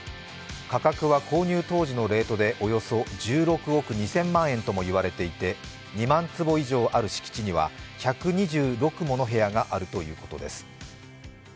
価格は購入当時のレートで、およそ１６億２０００万円ともいわれていて２万坪以上ある敷地には１２６もの部屋があるとのことです。